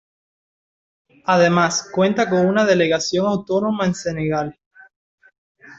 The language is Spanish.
Además cuenta con una delegación autónoma en Senegal.